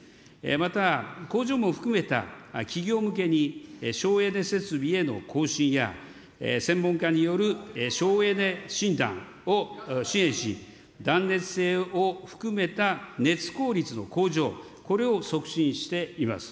また、工場も含めた企業向けに省エネ設備への更新や、専門家による省エネ診断を支援し、断熱性を含めた熱効率の向上、これを促進しています。